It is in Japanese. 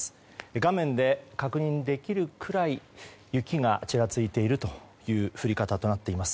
画面で確認できるくらい雪がちらついているという降り方となっています。